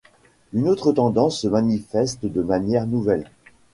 Une autre tendance se manifeste de manière nouvelle.